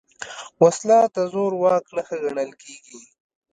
وسله د زور واک نښه ګڼل کېږي